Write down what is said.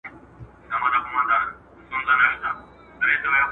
ولي هوډمن سړی د لایق کس په پرتله بریا خپلوي؟